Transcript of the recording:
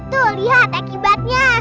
tuh lihat ekibatnya